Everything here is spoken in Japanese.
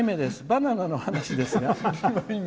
バナナの話ですが。